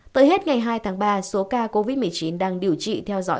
tới hết ngày hai tháng ba số ca covid một mươi chín đang điều trị theo dõi